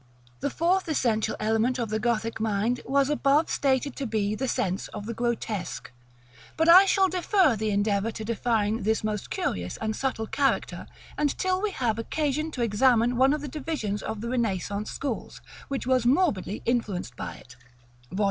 § LXXII. The fourth essential element of the Gothic mind was above stated to be the sense of the GROTESQUE; but I shall defer the endeavor to define this most curious and subtle character until we have occasion to examine one of the divisions of the Renaissance schools, which was morbidly influenced by it (Vol.